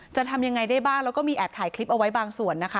จะทำยังไงได้บ้างแล้วก็มีแอบถ่ายคลิปเอาไว้บางส่วนนะคะ